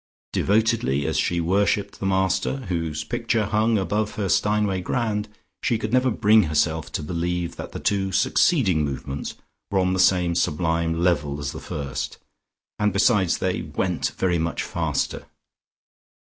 Devotedly as she worshipped the Master, whose picture hung above her Steinway Grand, she could never bring herself to believe that the two succeeding movements were on the same sublime level as the first, and besides they "went" very much faster.